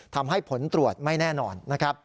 ทำให้ผลตรวจไม่แน่นอน